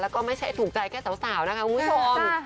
แล้วก็ไม่ใช่ถูกใจแค่สาวนะคะคุณผู้ชม